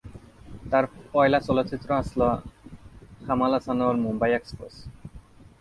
তার প্রথম চলচ্চিত্র ছিল কামাল হাসান-এর "মুম্বাই এক্সপ্রেস"।